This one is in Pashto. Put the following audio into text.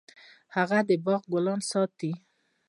هغه د باغ ګلونه ساتل.